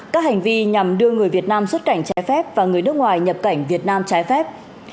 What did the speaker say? các hành vi nhằm đưa người việt nam xuất cảnh trái phép và người nước ngoài nhập cảnh việt nam trái phép